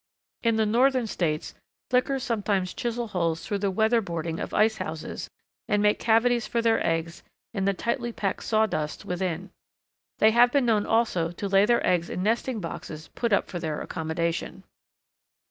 In the Northern States Flickers sometimes chisel holes through the weatherboarding of ice houses and make cavities for their eggs in the tightly packed sawdust within. They have been known also to lay their eggs in nesting boxes put up for their accommodation.